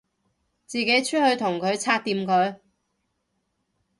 自己出去同佢拆掂佢